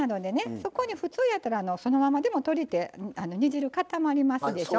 そこに普通やったらそのままでも鶏って煮汁固まりますでしょ。